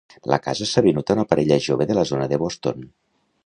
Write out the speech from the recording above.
La casa s'ha venut a una parella jove de la zona de Boston.